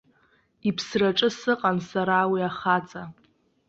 Иԥсраҿы сыҟан сара уи ахаҵа.